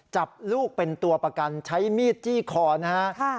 จับลูกเป็นตัวประกันใช้มีดจี้คอนะฮะ